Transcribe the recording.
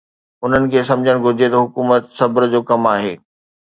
انهن کي سمجهڻ گهرجي ته حڪومت صبر جو ڪم آهي.